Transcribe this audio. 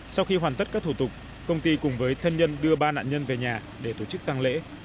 sau khi hoàn tất các thủ tục công ty cùng với thân nhân đưa ba nạn nhân về nhà để tổ chức tăng lễ